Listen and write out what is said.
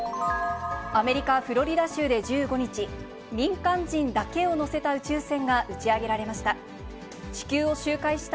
アメリカ・フロリダ州で１５日、民間人だけを乗せた宇宙船が打ち上げられました。